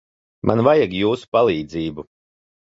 Man vajag jūsu palīdzību.